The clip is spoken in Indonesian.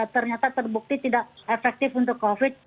ternyata terbukti tidak efektif untuk covid